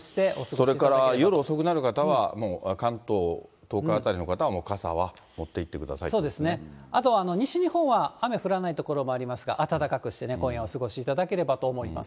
それから夜遅くなる方は、もう関東、東海辺りの方は、そうですね、あと西日本は雨降らない所もありますが、暖かくしてね、今夜はお過ごしいただければと思います。